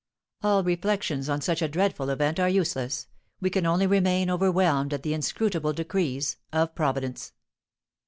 "All reflections on such a dreadful event are useless. We can only remain overwhelmed at the inscrutable decrees of Providence."